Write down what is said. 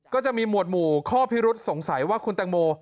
ก็จะมีหมวดหมู่ข้อพิรุษสงสัยว่าคุณแตงโม